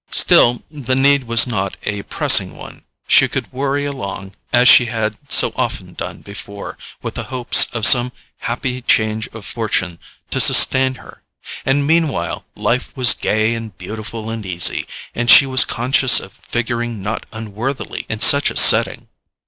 Still, the need was not a pressing one; she could worry along, as she had so often done before, with the hope of some happy change of fortune to sustain her; and meanwhile life was gay and beautiful and easy, and she was conscious of figuring not unworthily in such a setting.